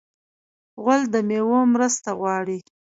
غول د میوو مرسته غواړي.